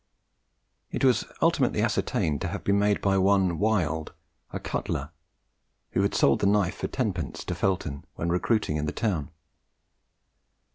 It was ultimately ascertained to have been made by one Wild, a cutler, who had sold the knife for tenpence to Felton when recruiting in the town.